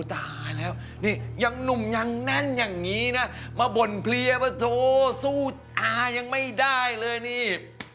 ตายแล้วนี่ยังหนุ่มยังแน่นอย่างนี้นะมาบ่นเพลียว่าโถสู้อายังไม่ได้เลยนี่